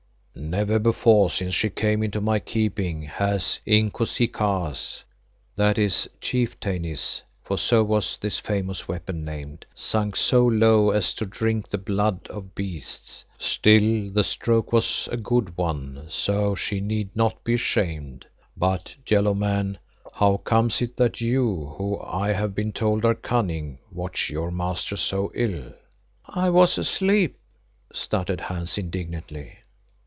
"Never before since she came into my keeping has Inkosikaas (i.e. 'Chieftainess,' for so was this famous weapon named) sunk so low as to drink the blood of beasts. Still, the stroke was a good one so she need not be ashamed. But, Yellow Man, how comes it that you who, I have been told, are cunning, watch your master so ill?" "I was asleep," stuttered Hans indignantly.